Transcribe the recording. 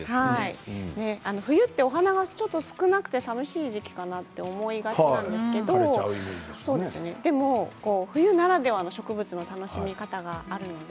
冬はお花が少なくて寂しい時に時季に思いがちなんですけれどでも冬ならではの植物が楽しみ方があります。